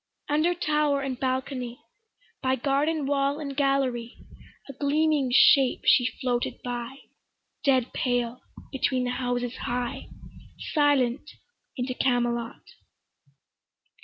Under tower and balcony, By garden wall and gallery, A gleaming shape she floated by, Dead pale between the houses high, Silent into Camelot.